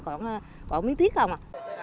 còn miếng thiết không à